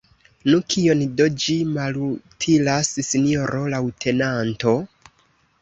Nu, kion do ĝi malutilas, sinjoro leŭtenanto?